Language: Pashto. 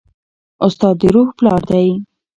استاد د روح پلار دی.